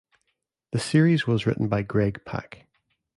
The series was written by Greg Pak.